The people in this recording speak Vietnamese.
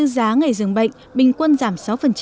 ba mươi bốn giá ngày dường bệnh bình quân giảm sáu